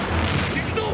行くぞ！